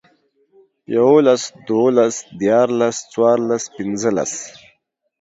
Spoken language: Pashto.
يوولس، دوولس، ديارلس، څوارلس، پينځلس